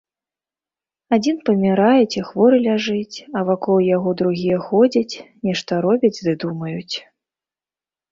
Адзін памірае ці хворы ляжыць, а вакол яго другія ходзяць, нешта робяць ды думаюць.